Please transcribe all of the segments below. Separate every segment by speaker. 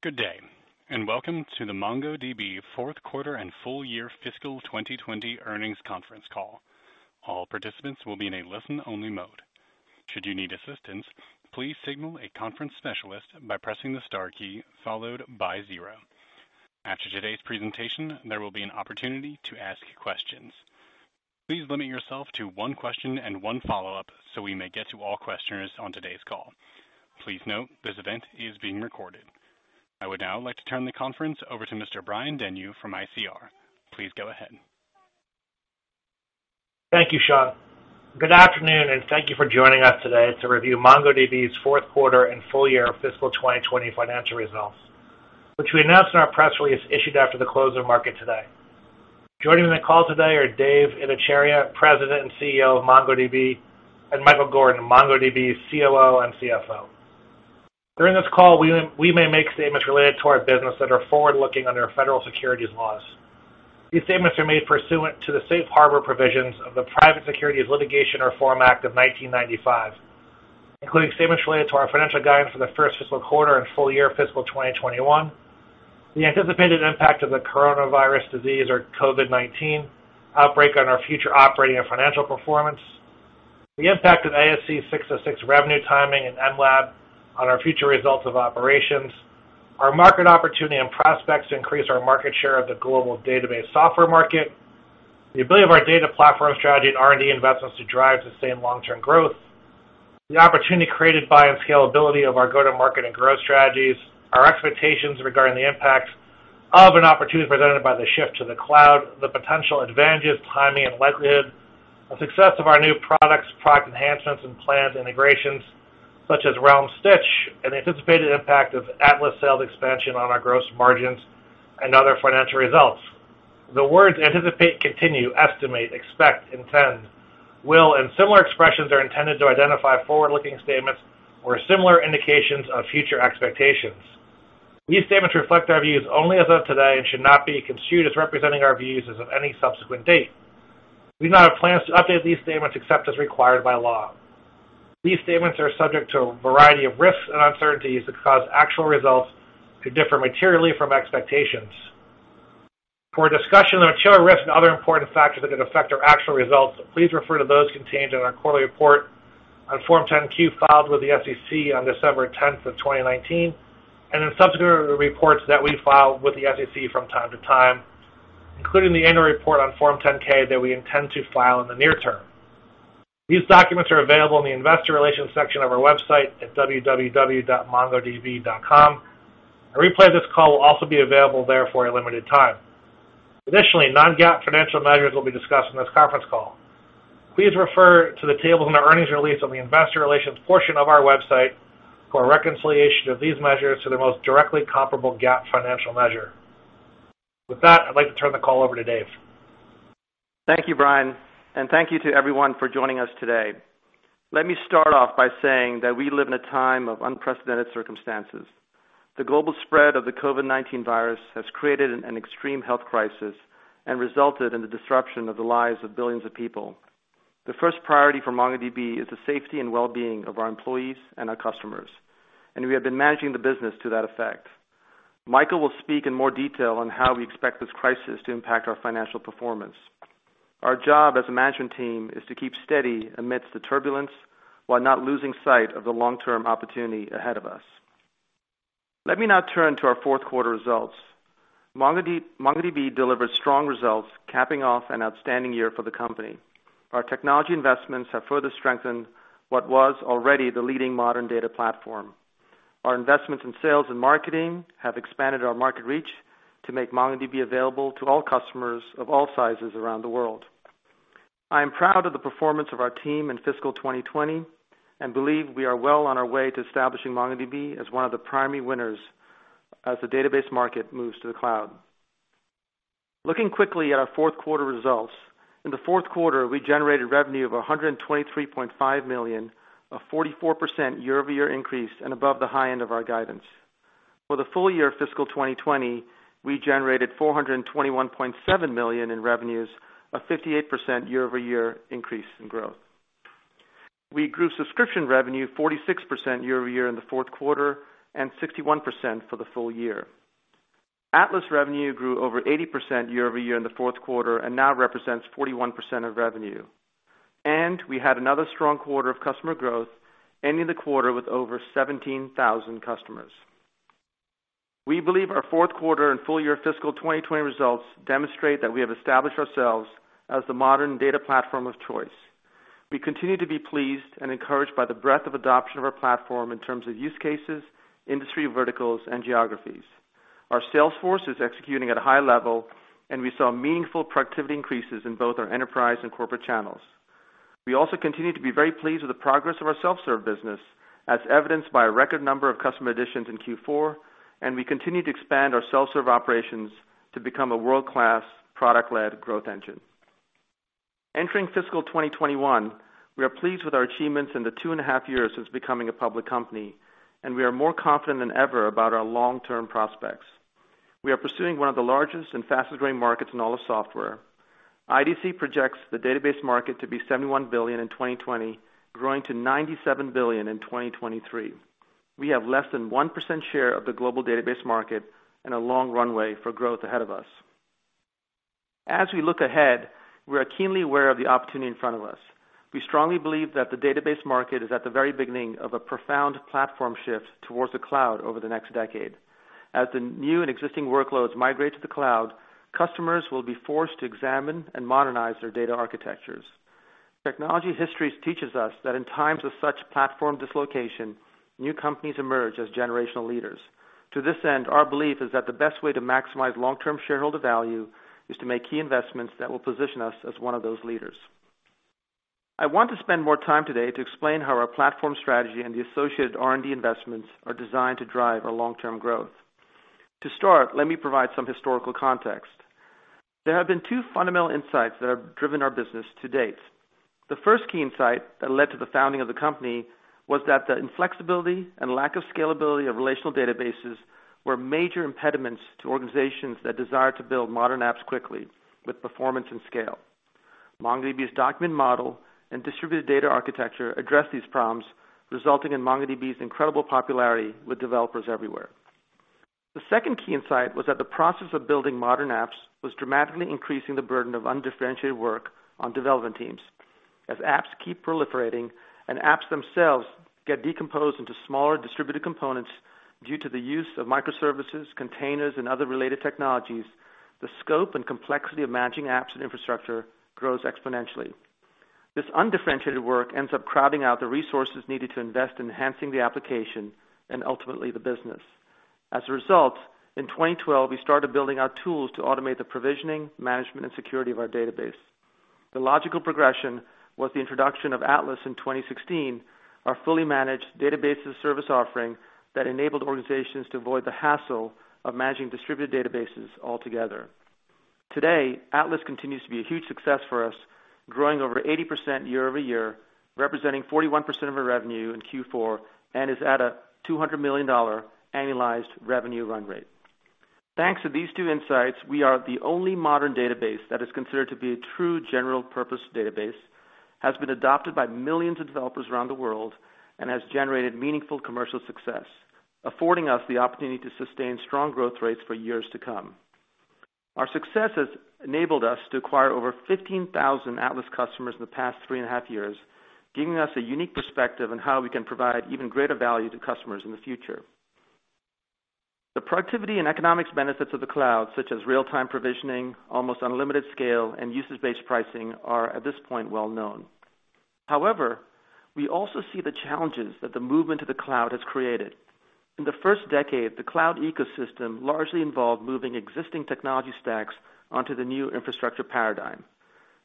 Speaker 1: Good day. Welcome to the MongoDB fourth quarter and full year fiscal 2020 earnings conference call. All participants will be in a listen-only mode. Should you need assistance, please signal a conference specialist by pressing the star key followed by zero. After today's presentation, there will be an opportunity to ask questions. Please limit yourself to one question and one follow-up so we may get to all questioners on today's call. Please note, this event is being recorded. I would now like to turn the conference over to Mr. Brian Denyeau from ICR. Please go ahead.
Speaker 2: Thank you, Sean. Good afternoon, and thank you for joining us today to review MongoDB's fourth quarter and full year fiscal 2020 financial results, which we announced in our press release issued after the close of market today. Joining me on the call today are Dev Ittycheria, President and CEO of MongoDB, and Michael Gordon, MongoDB COO and CFO. During this call, we may make statements related to our business that are forward-looking under federal securities laws. These statements are made pursuant to the Safe Harbor provisions of the Private Securities Litigation Reform Act of 1995, including statements related to our financial guidance for the first fiscal quarter and full year fiscal 2021, the anticipated impact of the coronavirus disease, or COVID-19, outbreak on our future operating and financial performance, the impact of ASC 606 revenue timing and mLab on our future results of operations, our market opportunity and prospects to increase our market share of the global database software market, the ability of our data platform strategy and R&D investments to drive sustained long-term growth, the opportunity created by and scalability of our go-to-market and growth strategies, our expectations regarding the impacts of an opportunity presented by the shift to the cloud, the potential advantages, timing and likelihood of success of our new products, product enhancements, and planned integrations, such as Realm Stitch, and the anticipated impact of Atlas sales expansion on our gross margins and other financial results. The words anticipate, continue, estimate, expect, intend, will, and similar expressions are intended to identify forward-looking statements or similar indications of future expectations. These statements reflect our views only as of today and should not be construed as representing our views as of any subsequent date. We do not have plans to update these statements except as required by law. These statements are subject to a variety of risks and uncertainties that cause actual results to differ materially from expectations. For a discussion of material risks and other important factors that could affect our actual results, please refer to those contained in our quarterly report on Form 10-Q filed with the SEC on December 10th of 2019 and in subsequent reports that we file with the SEC from time to time, including the annual report on Form 10-K that we intend to file in the near term. These documents are available in the investor relations section of our website at www.mongodb.com. A replay of this call will also be available there for a limited time. Additionally, non-GAAP financial measures will be discussed on this conference call. Please refer to the table in our earnings release on the investor relations portion of our website for a reconciliation of these measures to the most directly comparable GAAP financial measure. With that, I'd like to turn the call over to Dev.
Speaker 3: Thank you, Brian, and thank you to everyone for joining us today. Let me start off by saying that we live in a time of unprecedented circumstances. The global spread of the COVID-19 virus has created an extreme health crisis and resulted in the disruption of the lives of billions of people. The first priority for MongoDB is the safety and well-being of our employees and our customers, and we have been managing the business to that effect. Michael will speak in more detail on how we expect this crisis to impact our financial performance. Our job as a management team is to keep steady amidst the turbulence while not losing sight of the long-term opportunity ahead of us. Let me now turn to our fourth quarter results. MongoDB delivered strong results, capping off an outstanding year for the company. Our technology investments have further strengthened what was already the leading modern data platform. Our investments in sales and marketing have expanded our market reach to make MongoDB available to all customers of all sizes around the world. I am proud of the performance of our team in fiscal 2020 and believe we are well on our way to establishing MongoDB as one of the primary winners as the database market moves to the cloud. Looking quickly at our fourth quarter results. In the fourth quarter, we generated revenue of $123.5 million, a 44% year-over-year increase and above the high end of our guidance. For the full year fiscal 2020, we generated $421.7 million in revenues, a 58% year-over-year increase in growth. We grew subscription revenue 46% year-over-year in the fourth quarter and 61% for the full year. Atlas revenue grew over 80% year-over-year in the fourth quarter and now represents 41% of revenue. We had another strong quarter of customer growth, ending the quarter with over 17,000 customers. We believe our fourth quarter and full year fiscal 2020 results demonstrate that we have established ourselves as the modern data platform of choice. We continue to be pleased and encouraged by the breadth of adoption of our platform in terms of use cases, industry verticals, and geographies. Our sales force is executing at a high level, and we saw meaningful productivity increases in both our enterprise and corporate channels. We also continue to be very pleased with the progress of our self-serve business, as evidenced by a record number of customer additions in Q4, and we continue to expand our self-serve operations to become a world-class product-led growth engine. Entering fiscal 2021, we are pleased with our achievements in the two and a half years since becoming a public company, and we are more confident than ever about our long-term prospects. We are pursuing one of the largest and fastest-growing markets in all of software. IDC projects the database market to be $71 billion in 2020, growing to $97 billion in 2023. We have less than 1% share of the global database market and a long runway for growth ahead of us. As we look ahead, we are keenly aware of the opportunity in front of us. We strongly believe that the database market is at the very beginning of a profound platform shift towards the cloud over the next decade. As the new and existing workloads migrate to the cloud, customers will be forced to examine and modernize their data architectures. Technology history teaches us that in times of such platform dislocation, new companies emerge as generational leaders. To this end, our belief is that the best way to maximize long-term shareholder value is to make key investments that will position us as one of those leaders. I want to spend more time today to explain how our platform strategy and the associated R&D investments are designed to drive our long-term growth. To start, let me provide some historical context. There have been two fundamental insights that have driven our business to date. The first key insight that led to the founding of the company was that the inflexibility and lack of scalability of relational databases were major impediments to organizations that desire to build modern apps quickly with performance and scale. MongoDB's document model and distributed data architecture address these problems, resulting in MongoDB's incredible popularity with developers everywhere. The second key insight was that the process of building modern apps was dramatically increasing the burden of undifferentiated work on development teams. As apps keep proliferating and apps themselves get decomposed into smaller distributed components due to the use of microservices, containers, and other related technologies, the scope and complexity of managing apps and infrastructure grows exponentially. This undifferentiated work ends up crowding out the resources needed to invest in enhancing the application and ultimately the business. As a result, in 2012, we started building our tools to automate the provisioning, management, and security of our database. The logical progression was the introduction of Atlas in 2016, our fully managed database as a service offering that enabled organizations to avoid the hassle of managing distributed databases altogether. Today, Atlas continues to be a huge success for us, growing over 80% year-over-year, representing 41% of our revenue in Q4, and is at a $200 million annualized revenue run rate. Thanks to these two insights, we are the only modern database that is considered to be a true general-purpose database, has been adopted by millions of developers around the world, and has generated meaningful commercial success, affording us the opportunity to sustain strong growth rates for years to come. Our success has enabled us to acquire over 15,000 Atlas customers in the past three and a half years, giving us a unique perspective on how we can provide even greater value to customers in the future. The productivity and economics benefits of the cloud, such as real-time provisioning, almost unlimited scale, and usage-based pricing, are at this point well known. However, we also see the challenges that the movement to the cloud has created. In the first decade, the cloud ecosystem largely involved moving existing technology stacks onto the new infrastructure paradigm.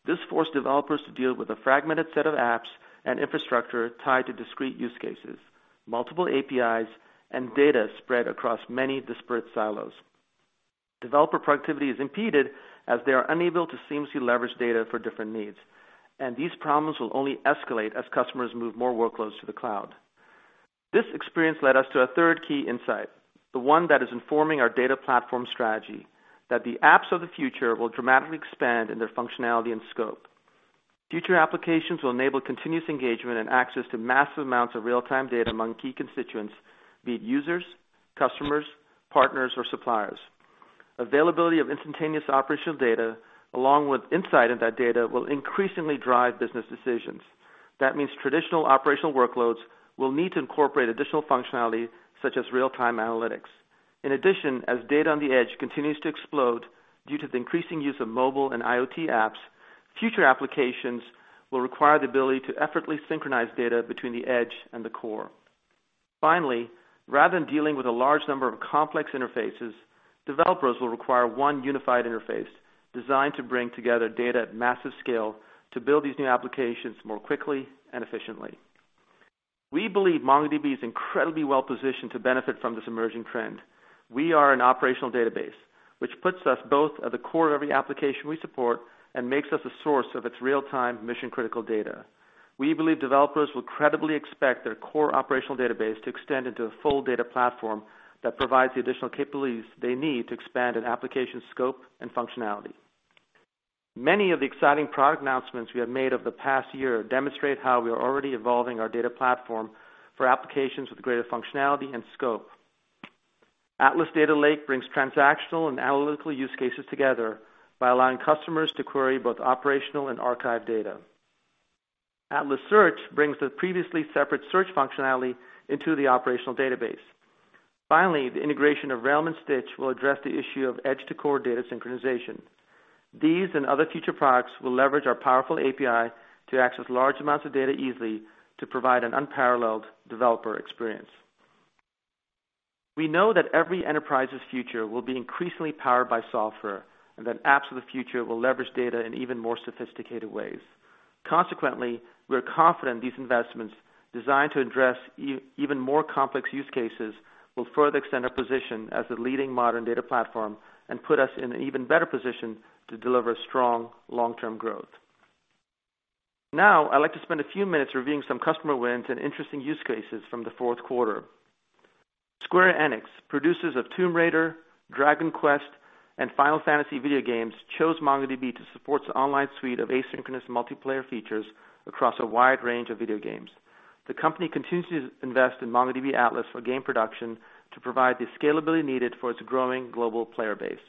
Speaker 3: This forced developers to deal with a fragmented set of apps and infrastructure tied to discrete use cases, multiple APIs, and data spread across many disparate silos. Developer productivity is impeded as they are unable to seamlessly leverage data for different needs, and these problems will only escalate as customers move more workloads to the cloud. This experience led us to a third key insight, the one that is informing our data platform strategy, that the apps of the future will dramatically expand in their functionality and scope. Future applications will enable continuous engagement and access to massive amounts of real-time data among key constituents, be it users, customers, partners, or suppliers. Availability of instantaneous operational data, along with insight into that data, will increasingly drive business decisions. That means traditional operational workloads will need to incorporate additional functionality, such as real-time analytics. In addition, as data on the edge continues to explode due to the increasing use of mobile and IoT apps, future applications will require the ability to effortlessly synchronize data between the edge and the core. Finally, rather than dealing with a large number of complex interfaces, developers will require one unified interface designed to bring together data at massive scale to build these new applications more quickly and efficiently. We believe MongoDB is incredibly well-positioned to benefit from this emerging trend. We are an operational database, which puts us both at the core of every application we support and makes us a source of its real-time mission-critical data. We believe developers will credibly expect their core operational database to extend into a full data platform that provides the additional capabilities they need to expand an application's scope and functionality. Many of the exciting product announcements we have made over the past year demonstrate how we are already evolving our data platform for applications with greater functionality and scope. Atlas Data Lake brings transactional and analytical use cases together by allowing customers to query both operational and archive data. Atlas Search brings the previously separate search functionality into the operational database. Finally, the integration of Realm and Stitch will address the issue of edge-to-core data synchronization. These and other future products will leverage our powerful API to access large amounts of data easily to provide an unparalleled developer experience. We know that every enterprise's future will be increasingly powered by software and that apps of the future will leverage data in even more sophisticated ways. Consequently, we're confident these investments, designed to address even more complex use cases, will further extend our position as the leading modern data platform and put us in an even better position to deliver strong long-term growth. Now, I'd like to spend a few minutes reviewing some customer wins and interesting use cases from the fourth quarter. Square Enix, producers of Tomb Raider, Dragon Quest, and Final Fantasy video games, chose MongoDB to support the online suite of asynchronous multiplayer features across a wide range of video games. The company continues to invest in MongoDB Atlas for game production to provide the scalability needed for its growing global player base.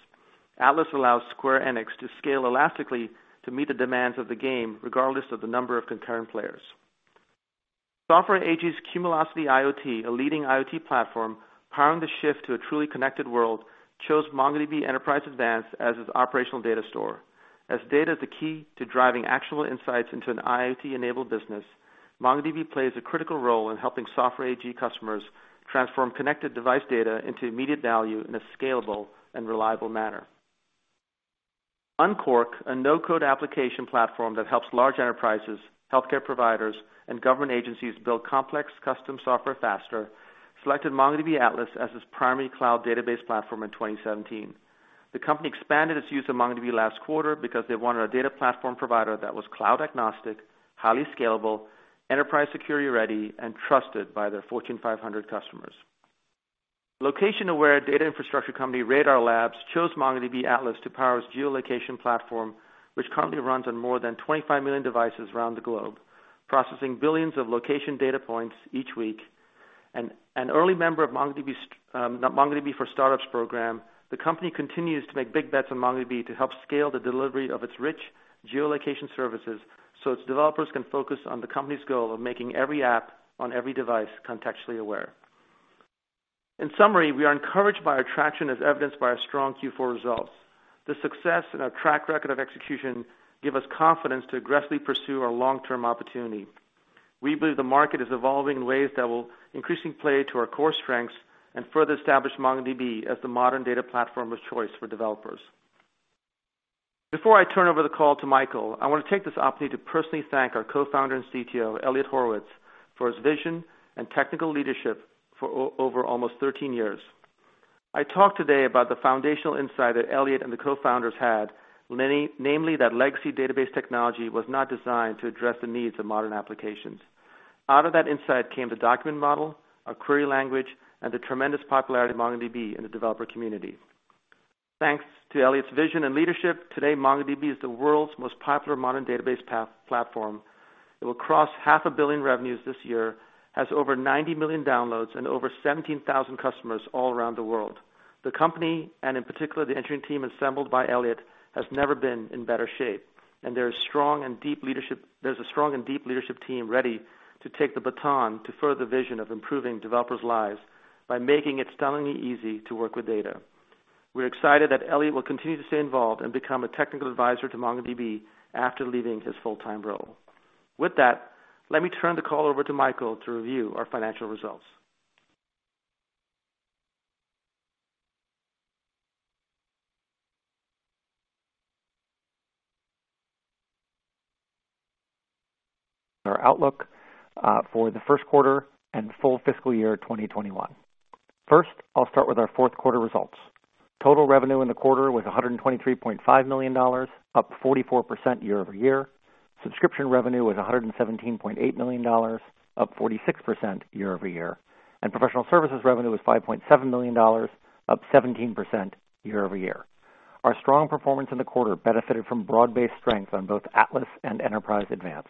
Speaker 3: Atlas allows Square Enix to scale elastically to meet the demands of the game, regardless of the number of concurrent players. Software AG's Cumulocity IoT, a leading IoT platform powering the shift to a truly connected world, chose MongoDB Enterprise Advanced as its operational data store. As data is the key to driving actionable insights into an IoT-enabled business, MongoDB plays a critical role in helping Software AG customers transform connected device data into immediate value in a scalable and reliable manner. Unqork, a no-code application platform that helps large enterprises, healthcare providers, and government agencies build complex custom software faster, selected MongoDB Atlas as its primary cloud database platform in 2017. The company expanded its use of MongoDB last quarter because they wanted a data platform provider that was cloud-agnostic, highly scalable, enterprise security-ready, and trusted by their Fortune 500 customers. Location-aware data infrastructure company Radar chose MongoDB Atlas to power its geolocation platform, which currently runs on more than 25 million devices around the globe, processing billions of location data points each week. An early member of MongoDB for Startups program, the company continues to make big bets on MongoDB to help scale the delivery of its rich geolocation services so its developers can focus on the company's goal of making every app on every device contextually aware. In summary, we are encouraged by our traction as evidenced by our strong Q4 results. The success and our track record of execution give us confidence to aggressively pursue our long-term opportunity. We believe the market is evolving in ways that will increasingly play to our core strengths and further establish MongoDB as the modern data platform of choice for developers. Before I turn over the call to Michael, I want to take this opportunity to personally thank our co-founder and CTO, Eliot Horowitz, for his vision and technical leadership for over almost 13 years. I talked today about the foundational insight that Eliot and the co-founders had, namely that legacy database technology was not designed to address the needs of modern applications. Out of that insight came the document model, our query language, and the tremendous popularity of MongoDB in the developer community. Thanks to Eliot's vision and leadership, today MongoDB is the world's most popular modern database platform. It will cross half a billion revenues this year, has over 90 million downloads and over 17,000 customers all around the world. The company, and in particular, the engineering team assembled by Eliot, has never been in better shape, and there's a strong and deep leadership team ready to take the baton to further the vision of improving developers' lives by making it stunningly easy to work with data. We're excited that Eliot will continue to stay involved and become a technical advisor to MongoDB after leaving his full-time role. With that, let me turn the call over to Michael to review our financial results.
Speaker 4: Our outlook for the first quarter and full fiscal year 2021. First, I'll start with our fourth quarter results. Total revenue in the quarter was $123.5 million, up 44% year-over-year. Subscription revenue was $117.8 million, up 46% year-over-year. Professional services revenue was $5.7 million, up 17% year-over-year. Our strong performance in the quarter benefited from broad-based strength on both Atlas and Enterprise Advanced.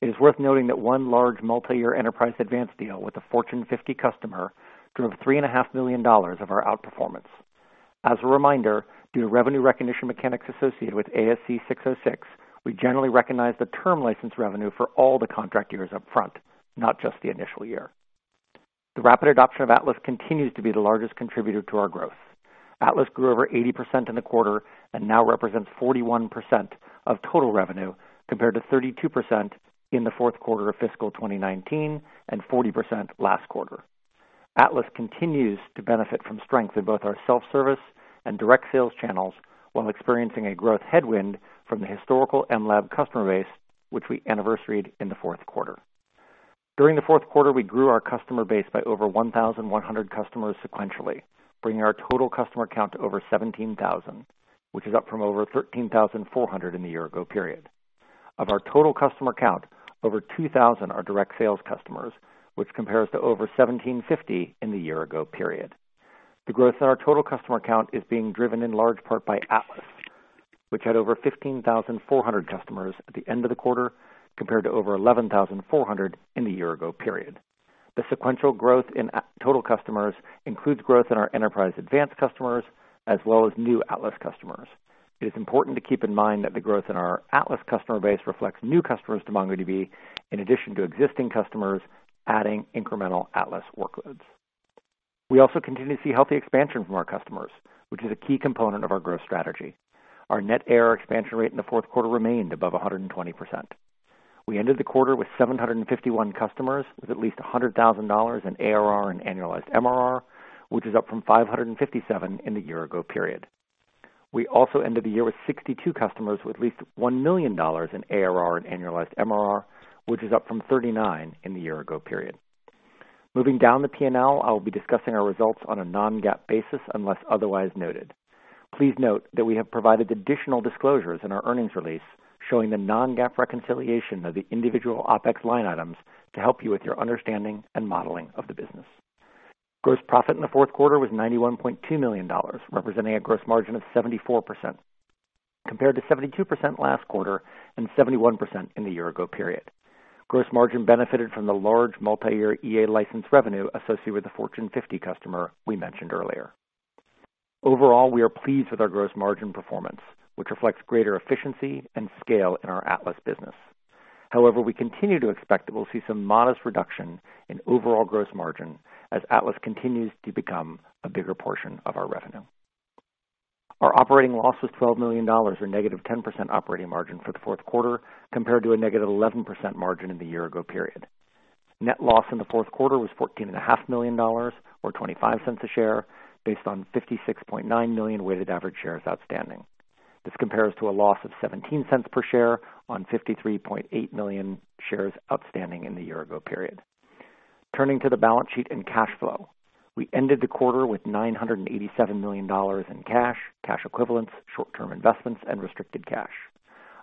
Speaker 4: It is worth noting that one large multi-year Enterprise Advanced deal with a Fortune 50 customer drove $3.5 million of our outperformance. As a reminder, due to revenue recognition mechanics associated with ASC 606, we generally recognize the term license revenue for all the contract years upfront, not just the initial year. The rapid adoption of Atlas continues to be the largest contributor to our growth. Atlas grew over 80% in the quarter and now represents 41% of total revenue, compared to 32% in the fourth quarter of fiscal 2019 and 40% last quarter. Atlas continues to benefit from strength in both our self-service and direct sales channels while experiencing a growth headwind from the historical mLab customer base, which we anniversaried in the fourth quarter. During the fourth quarter, we grew our customer base by over 1,100 customers sequentially, bringing our total customer count to over 17,000, which is up from over 13,400 in the year-ago period. Of our total customer count, over 2,000 are direct sales customers, which compares to over 1,750 in the year-ago period. The growth in our total customer count is being driven in large part by Atlas, which had over 15,400 customers at the end of the quarter, compared to over 11,400 in the year-ago period. The sequential growth in total customers includes growth in our Enterprise Advanced customers, as well as new Atlas customers. It is important to keep in mind that the growth in our Atlas customer base reflects new customers to MongoDB, in addition to existing customers adding incremental Atlas workloads. We also continue to see healthy expansion from our customers, which is a key component of our growth strategy. Our net ARR expansion rate in the fourth quarter remained above 120%. We ended the quarter with 751 customers with at least $100,000 in ARR and annualized MRR, which is up from 557 in the year-ago period. We also ended the year with 62 customers with at least $1 million in ARR and annualized MRR, which is up from 39 in the year-ago period. Moving down the P&L, I'll be discussing our results on a non-GAAP basis unless otherwise noted. Please note that we have provided additional disclosures in our earnings release showing the non-GAAP reconciliation of the individual OPEX line items to help you with your understanding and modeling of the business. Gross profit in the fourth quarter was $91.2 million, representing a gross margin of 74%, compared to 72% last quarter and 71% in the year-ago period. Gross margin benefited from the large multi-year EA license revenue associated with the Fortune 50 customer we mentioned earlier. Overall, we are pleased with our gross margin performance, which reflects greater efficiency and scale in our Atlas business. However, we continue to expect that we'll see some modest reduction in overall gross margin as Atlas continues to become a bigger portion of our revenue. Our operating loss was $12 million, or negative 10% operating margin for the fourth quarter, compared to a negative 11% margin in the year-ago period. Net loss in the fourth quarter was $14.5 million, or $0.25 a share, based on 56.9 million weighted average shares outstanding. This compares to a loss of $0.17 per share on 53.8 million shares outstanding in the year-ago period. Turning to the balance sheet and cash flow. We ended the quarter with $987 million in cash equivalents, short-term investments, and restricted cash.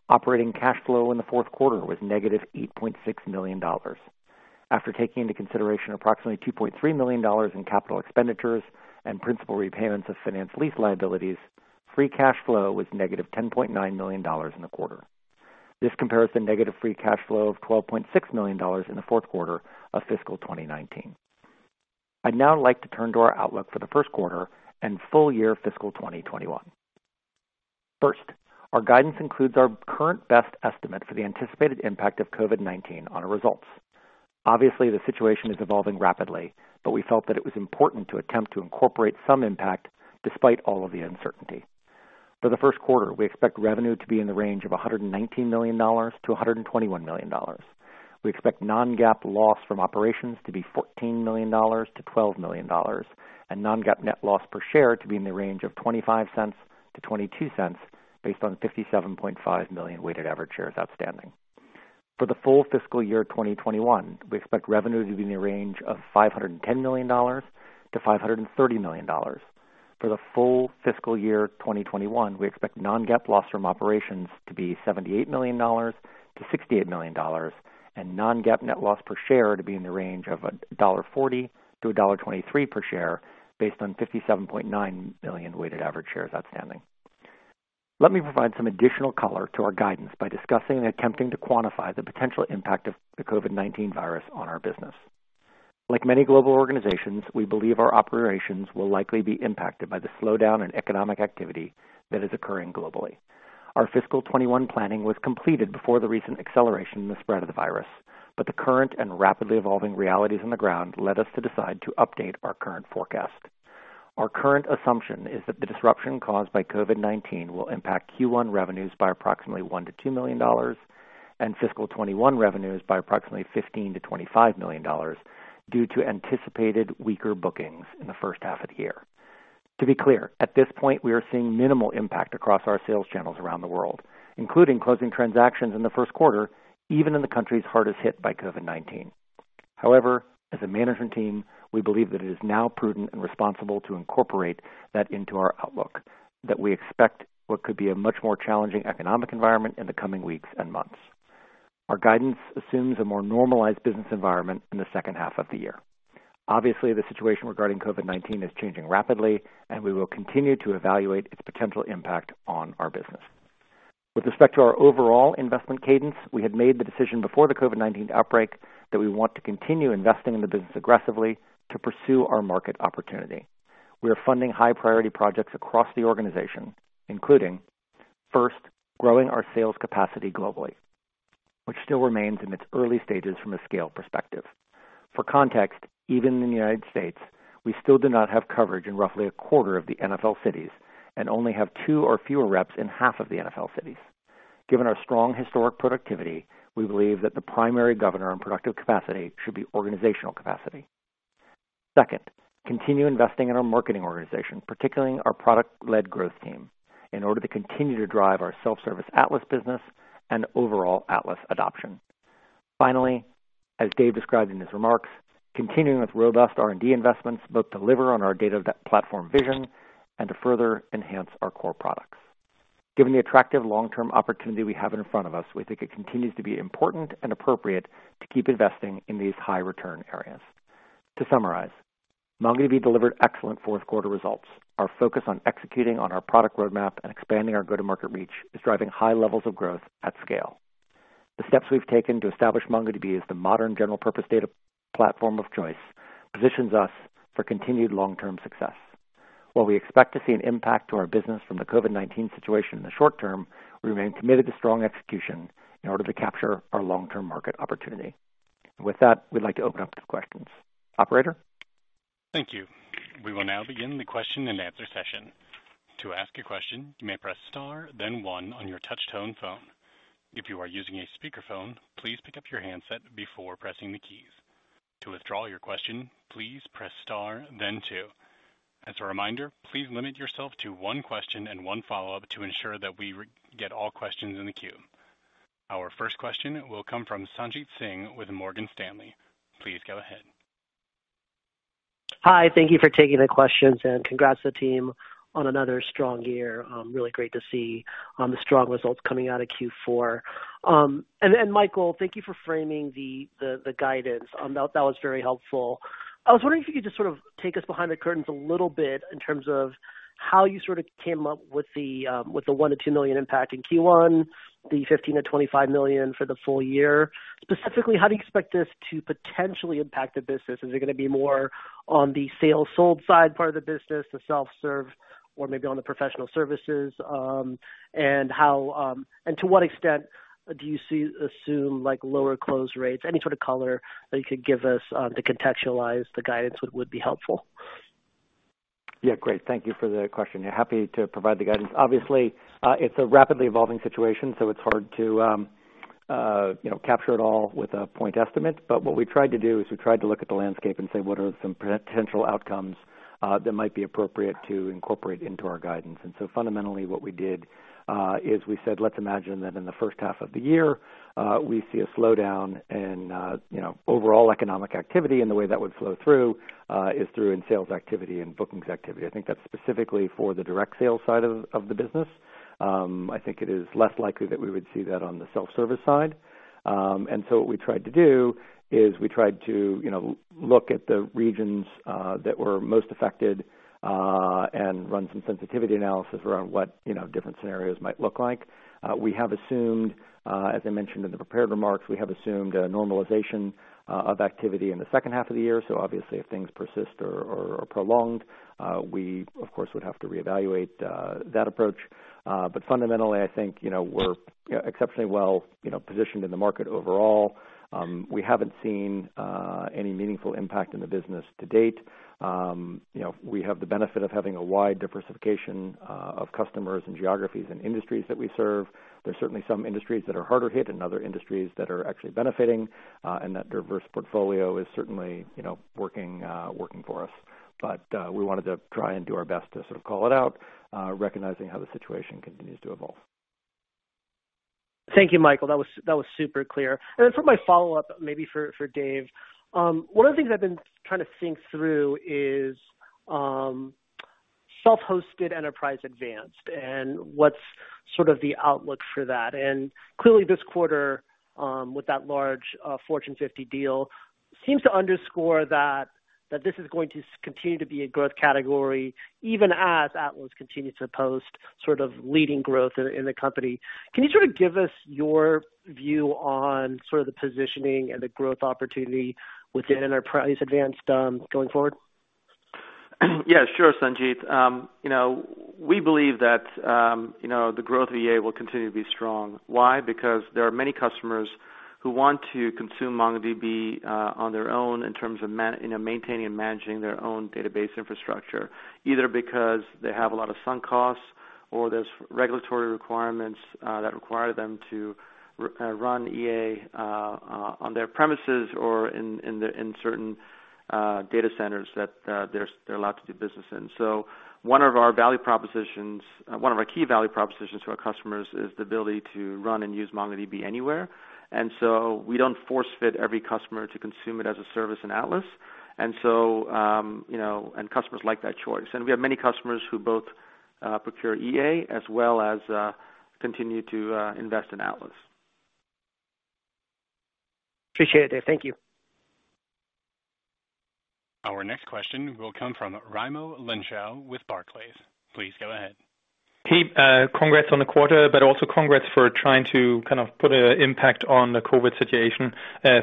Speaker 4: Operating cash flow in the fourth quarter was negative $8.6 million. After taking into consideration approximately $2.3 million in capital expenditures and principal repayments of finance lease liabilities, free cash flow was negative $10.9 million in the quarter. This compares to negative free cash flow of $12.6 million in the fourth quarter of fiscal 2019. I'd now like to turn to our outlook for the first quarter and full year fiscal 2021. First, our guidance includes our current best estimate for the anticipated impact of COVID-19 on our results. Obviously, the situation is evolving rapidly, but we felt that it was important to attempt to incorporate some impact despite all of the uncertainty. For the first quarter, we expect revenue to be in the range of $119 to 121 million. We expect non-GAAP loss from operations to be $14 to 12 million and non-GAAP net loss per share to be in the range of $0.25 to $0.22 based on 57.5 million weighted average shares outstanding. For the full fiscal year 2021, we expect revenue to be in the range of $510 to 530 million. For the full fiscal year 2021, we expect non-GAAP loss from operations to be $78 to 68 million and non-GAAP net loss per share to be in the range of $1.40 to $1.23 per share based on 57.9 million weighted average shares outstanding. Let me provide some additional color to our guidance by discussing and attempting to quantify the potential impact of the COVID-19 virus on our business. Like many global organizations, we believe our operations will likely be impacted by the slowdown in economic activity that is occurring globally. Our fiscal 2021 planning was completed before the recent acceleration in the spread of the virus, but the current and rapidly evolving realities on the ground led us to decide to update our current forecast. Our current assumption is that the disruption caused by COVID-19 will impact Q1 revenues by approximately $1 to 2 million and fiscal 2021 revenues by approximately $15 to 25 million due to anticipated weaker bookings in the first half of the year. To be clear, at this point, we are seeing minimal impact across our sales channels around the world, including closing transactions in the first quarter, even in the countries hardest hit by COVID-19. However, as a management team, we believe that it is now prudent and responsible to incorporate that into our outlook that we expect what could be a much more challenging economic environment in the coming weeks and months. Our guidance assumes a more normalized business environment in the second half of the year. Obviously, the situation regarding COVID-19 is changing rapidly, and we will continue to evaluate its potential impact on our business. With respect to our overall investment cadence, we had made the decision before the COVID-19 outbreak that we want to continue investing in the business aggressively to pursue our market opportunity. We are funding high-priority projects across the organization, including, first, growing our sales capacity globally, which still remains in its early stages from a scale perspective. For context, even in the U.S., we still do not have coverage in roughly a quarter of the NFL cities and only have two or fewer reps in half of the NFL cities. Given our strong historic productivity, we believe that the primary governor in productive capacity should be organizational capacity. Second, continue investing in our marketing organization, particularly our product-led growth team, in order to continue to drive our self-service Atlas business and overall Atlas adoption. Finally, as Dev described in his remarks, continuing with robust R&D investments, both deliver on our data platform vision and to further enhance our core products. Given the attractive long-term opportunity we have in front of us, we think it continues to be important and appropriate to keep investing in these high-return areas. To summarize, MongoDB delivered excellent fourth quarter results. Our focus on executing on our product roadmap and expanding our go-to-market reach is driving high levels of growth at scale. The steps we've taken to establish MongoDB as the modern general-purpose data platform of choice positions us for continued long-term success. While we expect to see an impact to our business from the COVID-19 situation in the short term, we remain committed to strong execution in order to capture our long-term market opportunity. With that, we'd like to open up to questions. Operator?
Speaker 1: Thank you. We will now begin the question and answer session. To ask a question, you may press star then one on your touch tone phone. If you are using a speakerphone, please pick up your handset before pressing the keys. To withdraw your question, please press star then two. As a reminder, please limit yourself to one question and one follow-up to ensure that we get all questions in the queue. Our first question will come from Sanjit Singh with Morgan Stanley. Please go ahead.
Speaker 5: Hi. Thank you for taking the questions. Congrats to the team on another strong year. Really great to see the strong results coming out of Q4. Michael, thank you for framing the guidance. That was very helpful. I was wondering if you could just take us behind the curtains a little bit in terms of how you came up with the $1 to 2 million impact in Q1, the $15 to 25 million for the full year. Specifically, how do you expect this to potentially impact the business? Is it going to be more on the sales sold side, part of the business, the self-serve, or maybe on the professional services? To what extent do you assume lower close rates? Any sort of color that you could give us to contextualize the guidance would be helpful.
Speaker 4: Yeah, great. Thank you for the question. Happy to provide the guidance. Obviously, it's a rapidly evolving situation, so it's hard to capture it all with a point estimate. What we tried to do is we tried to look at the landscape and say, what are some potential outcomes that might be appropriate to incorporate into our guidance? Fundamentally what we did, is we said, let's imagine that in the first half of the year, we see a slowdown in overall economic activity, and the way that would flow through is through in sales activity and bookings activity. I think that's specifically for the direct sales side of the business. I think it is less likely that we would see that on the self-service side. What we tried to do is we tried to look at the regions that were most affected, and run some sensitivity analysis around what different scenarios might look like. We have assumed, as I mentioned in the prepared remarks, we have assumed a normalization of activity in the second half of the year. Obviously, if things persist or are prolonged, we of course, would have to reevaluate that approach. Fundamentally, I think we're exceptionally well-positioned in the market overall. We haven't seen any meaningful impact in the business to date. We have the benefit of having a wide diversification of customers and geographies and industries that we serve. There's certainly some industries that are harder hit and other industries that are actually benefiting. That diverse portfolio is certainly working for us. We wanted to try and do our best to sort of call it out, recognizing how the situation continues to evolve.
Speaker 5: Thank you, Michael. That was super clear. Then for my follow-up, maybe for Dev. One of the things I've been trying to think through is self-hosted Enterprise Advanced and what's the outlook for that. Clearly this quarter, with that large Fortune 50 deal seems to underscore that this is going to continue to be a growth category even as Atlas continues to post leading growth in the company. Can you give us your view on the positioning and the growth opportunity within Enterprise Advanced going forward?
Speaker 3: Yeah, sure, Sanjit. We believe that the growth of EA will continue to be strong. Why? Because there are many customers who want to consume MongoDB on their own in terms of maintaining and managing their own database infrastructure, either because they have a lot of sunk costs or there's regulatory requirements that require them to run EA on their premises or in certain data centers that they're allowed to do business in. One of our key value propositions to our customers is the ability to run and use MongoDB anywhere. We don't force fit every customer to consume it as a service in Atlas. Customers like that choice. We have many customers who both procure EA as well as continue to invest in Atlas.
Speaker 5: Appreciate it, Dev. Thank you.
Speaker 1: Our next question will come from Raimo Lenschow with Barclays. Please go ahead.
Speaker 6: Team, congrats on the quarter. Also congrats for trying to put an impact on the COVID situation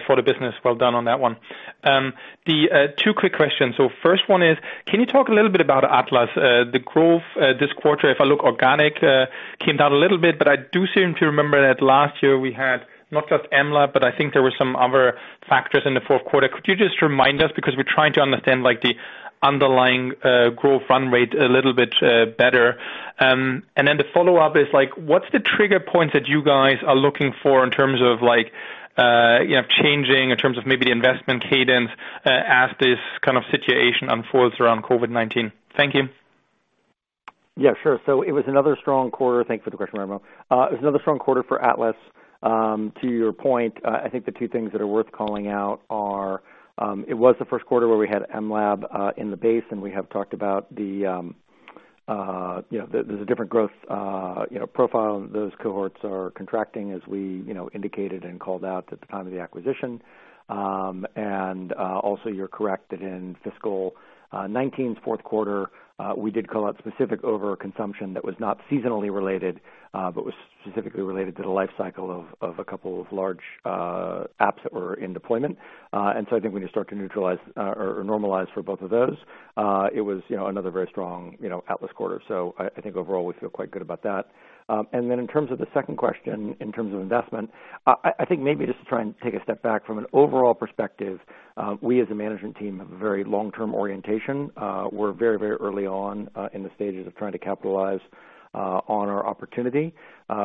Speaker 6: for the business. Well done on that one. Two quick questions. First one is, can you talk a little bit about Atlas? The growth this quarter, if I look organic, came down a little bit, but I do seem to remember that last year we had not just mLab, but I think there were some other factors in the fourth quarter. Could you just remind us because we're trying to understand the underlying growth run rate a little bit better. Then the follow-up is, what's the trigger point that you guys are looking for in terms of changing, in terms of maybe the investment cadence as this kind of situation unfolds around COVID-19? Thank you.
Speaker 4: Yeah, sure. It was another strong quarter. Thanks for the question, Raimo. It was another strong quarter for Atlas. To your point, I think the two things that are worth calling out are, it was the first quarter where we had mLab in the base, and we have talked about there's a different growth profile, and those cohorts are contracting as we indicated and called out at the time of the acquisition. Also you're correct that in fiscal 2019's fourth quarter, we did call out specific overconsumption that was not seasonally related, but was specifically related to the life cycle of a couple of large apps that were in deployment. I think when you start to normalize for both of those, it was another very strong Atlas quarter. I think overall we feel quite good about that. In terms of the second question, in terms of investment, I think maybe just to try and take a step back from an overall perspective, we as a management team have a very long-term orientation. We're very early on in the stages of trying to capitalize on our opportunity.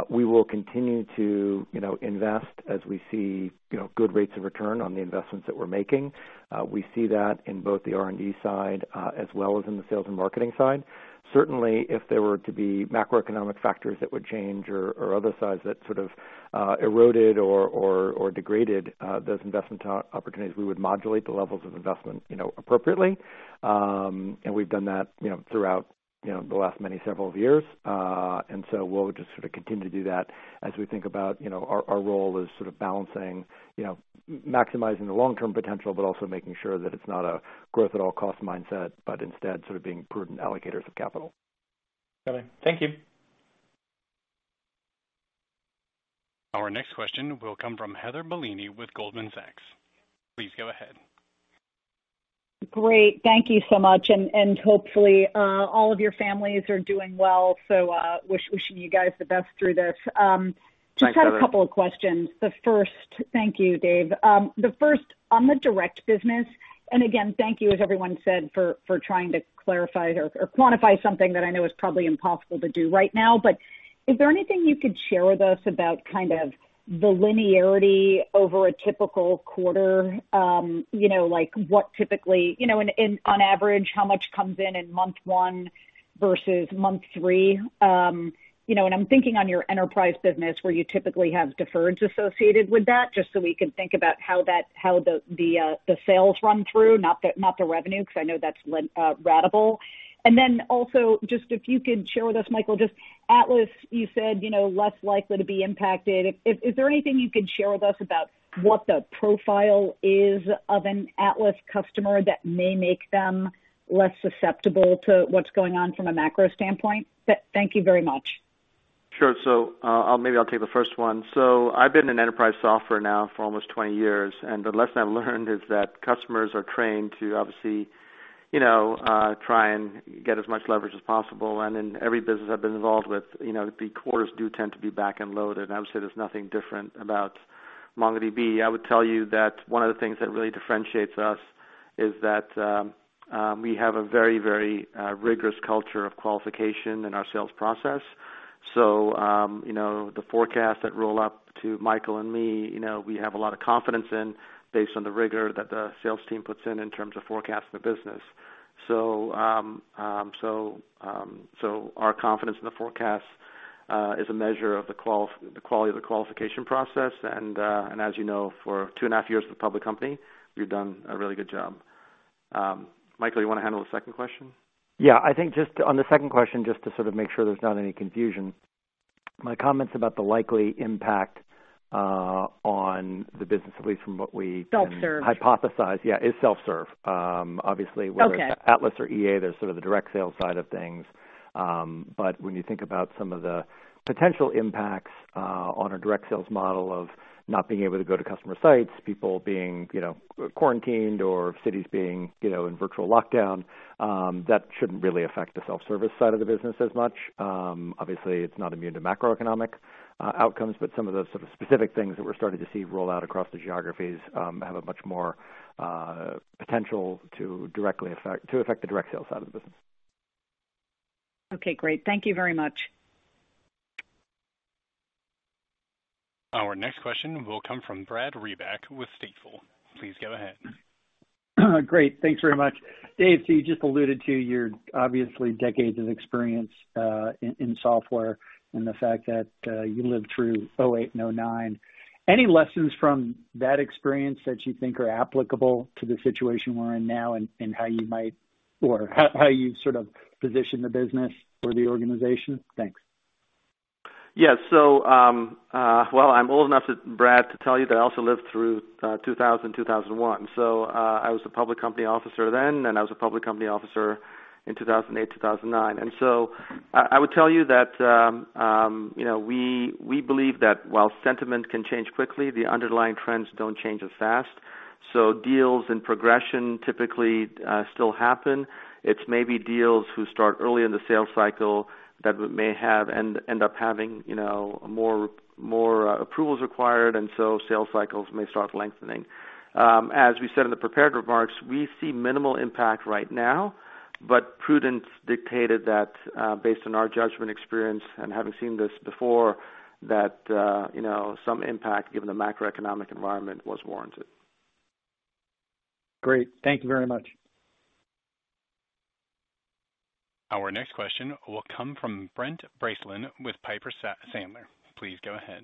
Speaker 4: We will continue to invest as we see good rates of return on the investments that we're making. We see that in both the R&D side as well as in the sales and marketing side. Certainly, if there were to be macroeconomic factors that would change or other sides that sort of eroded or degraded those investment opportunities, we would modulate the levels of investment appropriately. We've done that throughout the last many, several years. We'll just sort of continue to do that as we think about our role as sort of balancing, maximizing the long-term potential, but also making sure that it's not a growth at all cost mindset, but instead sort of being prudent allocators of capital.
Speaker 6: Thank you.
Speaker 1: Our next question will come from Heather Bellini with Goldman Sachs. Please go ahead.
Speaker 7: Great. Thank you so much, and hopefully all of your families are doing well. Wishing you guys the best through this.
Speaker 3: Thanks, Heather.
Speaker 7: Just had a couple of questions. Thank you, Dev. The first on the direct business, and again, thank you, as everyone said, for trying to clarify or quantify something that I know is probably impossible to do right now. Is there anything you could share with us about kind of the linearity over a typical quarter? Like on average, how much comes in in month one versus month three? I'm thinking on your enterprise business, where you typically have deference associated with that, just so we can think about how the sales run through, not the revenue, because I know that's ratable. Also, just if you could share with us, Michael, just Atlas, you said less likely to be impacted. Is there anything you could share with us about what the profile is of an Atlas customer that may make them less susceptible to what's going on from a macro standpoint? Thank you very much.
Speaker 3: Sure. Maybe I'll take the first one. I've been in enterprise software now for almost 20 years, and the lesson I've learned is that customers are trained to obviously try and get as much leverage as possible. In every business I've been involved with, the quarters do tend to be back-end loaded. Obviously, there's nothing different about MongoDB. I would tell you that one of the things that really differentiates us is that we have a very rigorous culture of qualification in our sales process. The forecasts that roll up to Michael and me, we have a lot of confidence in based on the rigor that the sales team puts in terms of forecasting the business. Our confidence in the forecast is a measure of the quality of the qualification process, and as you know, for two and a half years as a public company, we've done a really good job. Michael, you want to handle the second question?
Speaker 4: I think just on the second question, just to sort of make sure there's not any confusion, my comments about the likely impact on the business, at least from what we can.
Speaker 7: Self-serve
Speaker 4: hypothesize. Yeah, is self-serve.
Speaker 7: Okay
Speaker 4: Whether it's Atlas or EA, there's sort of the direct sales side of things. When you think about some of the potential impacts on a direct sales model of not being able to go to customer sites, people being quarantined or cities being in virtual lockdown, that shouldn't really affect the self-service side of the business as much. Obviously, it's not immune to macroeconomic outcomes, but some of the sort of specific things that we're starting to see roll out across the geographies have a much more potential to affect the direct sales side of the business.
Speaker 7: Okay, great. Thank you very much.
Speaker 1: Our next question will come from Brad Reback with Stifel. Please go ahead.
Speaker 8: Great. Thanks very much. Dev, you just alluded to your obviously decades of experience in software and the fact that you lived through 2008 and 2009. Any lessons from that experience that you think are applicable to the situation we're in now and how you sort of position the business or the organization? Thanks.
Speaker 3: Yes. Well, I'm old enough, Brad, to tell you that I also lived through 2000, 2001. I was a public company officer then, and I was a public company officer in 2008, 2009. I would tell you that we believe that while sentiment can change quickly, the underlying trends don't change as fast. Deals and progression typically still happen. It's maybe deals who start early in the sales cycle that may end up having more approvals required, and so sales cycles may start lengthening. As we said in the prepared remarks, we see minimal impact right now, but prudence dictated that based on our judgment, experience, and having seen this before, that some impact, given the macroeconomic environment, was warranted.
Speaker 8: Great. Thank you very much.
Speaker 1: Our next question will come from Brent Bracelin with Piper Sandler. Please go ahead.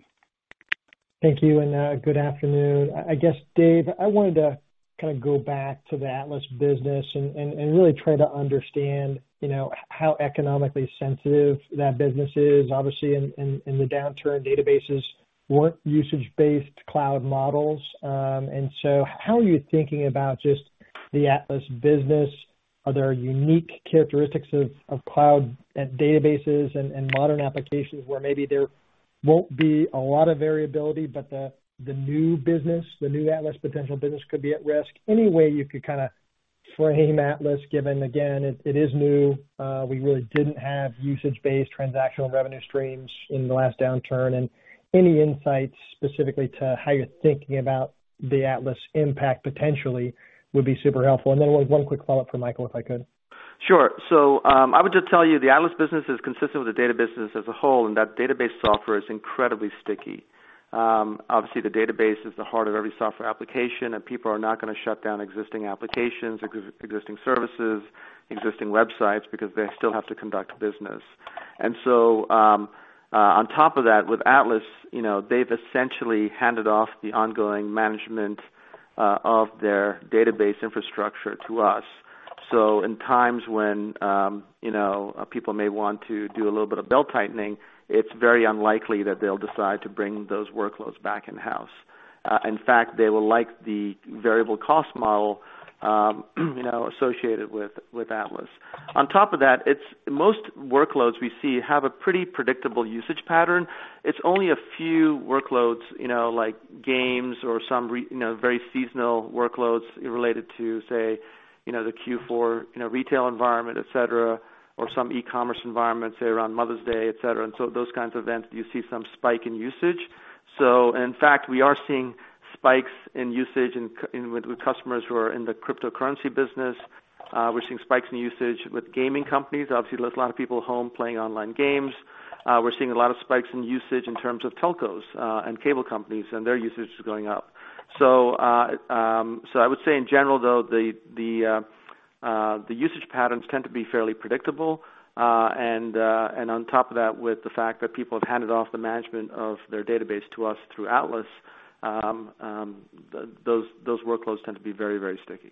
Speaker 9: Thank you. Good afternoon. I guess, Dev, I wanted to kind of go back to the Atlas business and really try to understand how economically sensitive that business is. Obviously, in the downturn, databases weren't usage-based cloud models. How are you thinking about just the Atlas business? Are there unique characteristics of cloud databases and modern applications where maybe there won't be a lot of variability, but the new Atlas potential business could be at risk? Any way you could kind of frame Atlas, given, again, it is new. We really didn't have usage-based transactional revenue streams in the last downturn, and any insights specifically to how you're thinking about the Atlas impact potentially would be super helpful. One quick follow-up for Michael, if I could.
Speaker 3: Sure. I would just tell you the Atlas business is consistent with the data business as a whole, and that database software is incredibly sticky. Obviously, the database is the heart of every software application, and people are not going to shut down existing applications, existing services, existing websites because they still have to conduct business. On top of that, with Atlas, they've essentially handed off the ongoing management of their database infrastructure to us. In times when people may want to do a little bit of belt-tightening, it's very unlikely that they'll decide to bring those workloads back in-house. In fact, they will like the variable cost model associated with Atlas. On top of that, most workloads we see have a pretty predictable usage pattern. It's only a few workloads, like games or some very seasonal workloads related to, say, the Q4 retail environment, et cetera, or some e-commerce environments, say, around Mother's Day, et cetera. Those kinds of events, you see some spike in usage. In fact, we are seeing spikes in usage with customers who are in the cryptocurrency business. We're seeing spikes in usage with gaming companies. Obviously, there's a lot of people at home playing online games. We're seeing a lot of spikes in usage in terms of telcos and cable companies, and their usage is going up. I would say in general, though, the usage patterns tend to be fairly predictable. On top of that, with the fact that people have handed off the management of their database to us through Atlas, those workloads tend to be very sticky.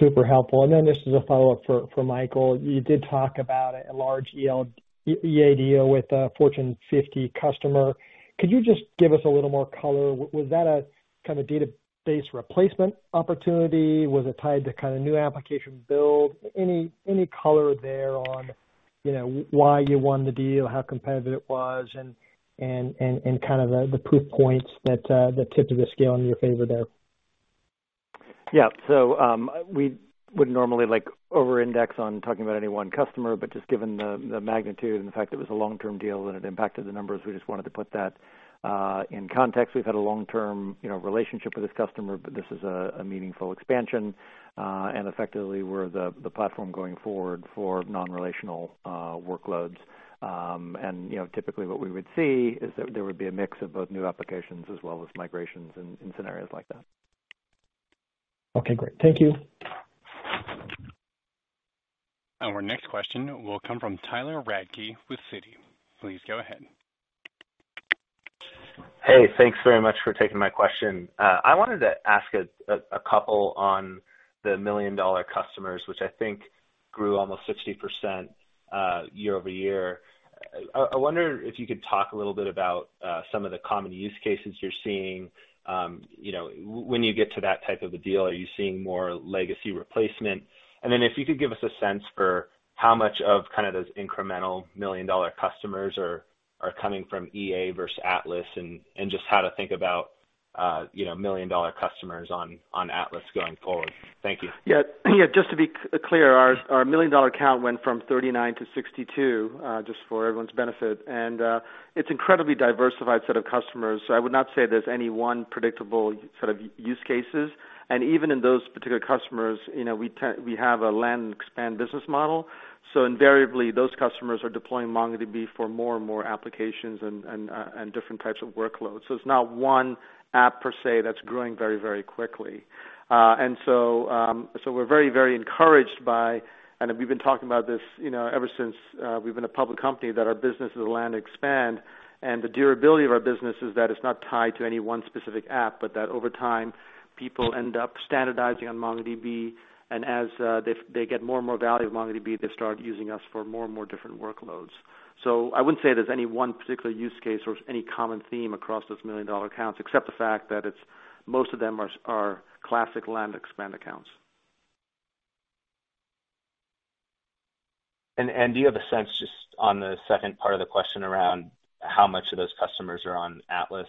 Speaker 9: Super helpful. This is a follow-up for Michael. You did talk about a large EA deal with a Fortune 50 customer. Could you just give us a little more color? Was that a kind of database replacement opportunity? Was it tied to kind of new application build? Any color there on why you won the deal, how competitive it was, and the proof points that tipped the scale in your favor there?
Speaker 4: We wouldn't normally over-index on talking about any one customer, but just given the magnitude and the fact it was a long-term deal and it impacted the numbers, we just wanted to put that in context. We've had a long-term relationship with this customer, but this is a meaningful expansion. Effectively, we're the platform going forward for non-relational workloads. Typically, what we would see is that there would be a mix of both new applications as well as migrations in scenarios like that.
Speaker 9: Okay, great. Thank you.
Speaker 1: Our next question will come from Tyler Radke with Citi. Please go ahead.
Speaker 10: Hey, thanks very much for taking my question. I wanted to ask a couple on the million-dollar customers, which I think grew almost 60% year-over-year. I wonder if you could talk a little bit about some of the common use cases you're seeing. When you get to that type of a deal, are you seeing more legacy replacement? If you could give us a sense for how much of those incremental million-dollar customers are coming from EA versus Atlas, and just how to think about million-dollar customers on Atlas going forward. Thank you.
Speaker 3: Yeah. Just to be clear, our million-dollar count went from 39 to 62, just for everyone's benefit, and it's incredibly diversified set of customers. I would not say there's any one predictable sort of use cases. Even in those particular customers, we have a land expand business model. Invariably, those customers are deploying MongoDB for more and more applications and different types of workloads. It's not one app per se that's growing very quickly. We're very encouraged by, and we've been talking about this ever since we've been a public company, that our business is a land expand. The durability of our business is that it's not tied to any one specific app, but that over time, people end up standardizing on MongoDB. As they get more and more value of MongoDB, they start using us for more and more different workloads. I wouldn't say there's any one particular use case or any common theme across those million-dollar accounts, except the fact that most of them are classic land expand accounts.
Speaker 10: Do you have a sense, just on the second part of the question, around how much of those customers are on Atlas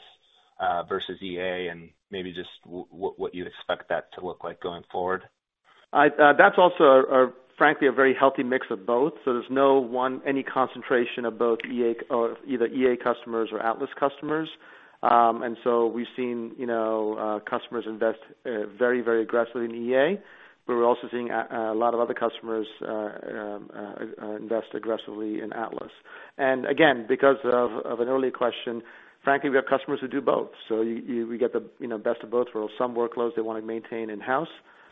Speaker 10: versus EA, and maybe just what you'd expect that to look like going forward?
Speaker 3: That's also, frankly, a very healthy mix of both. There's no one, any concentration of both either EA customers or Atlas customers. We've seen customers invest very aggressively in EA, but we're also seeing a lot of other customers invest aggressively in Atlas. Again, because of an earlier question, frankly, we have customers who do both. We get the best of both worlds. Some workloads they want to maintain in-house,